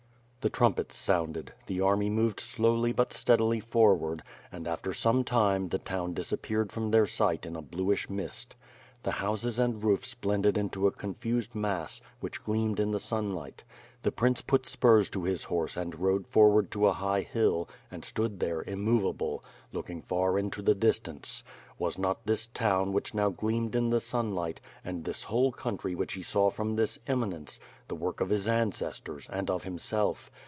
The trumpets sounded; the army moved slowly but steadily forward, and after some time, the town disappeared from their sight in a bluish mist. The houses and roofs blended in a confused mass, which gleamed in the sunlight. The prince put spurs to his horse and rode forward to a high hill, and stood there immovable, looking far into the distance. Was not this town which now gleamed in the sunlight, and this whole country which he saw from this eminence, the work of his ancestors, and of himself.